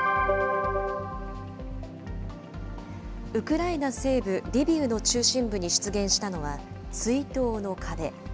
ウクライナ西部リビウの中心部に出現したのは、追悼の壁。